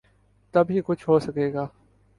تب ہی کچھ ہو سکے گا۔